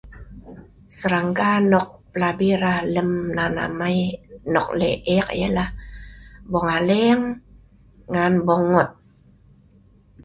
Serangga(nok hlut-hlut, nok lamang-lamang) nok pelabi rah nok lek ek yah nah bong aleng ngan bonggoot